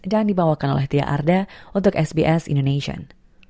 dan dibawakan oleh tia arda untuk sbs indonesian